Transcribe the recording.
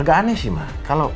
agak aneh sih mah